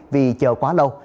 vì chờ quá lâu